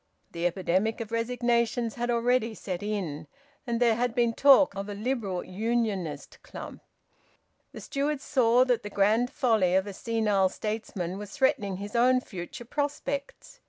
The epidemic of resignations had already set in, and there had been talk of a Liberal Unionist Club. The steward saw that the grand folly of a senile statesman was threatening his own future prospects.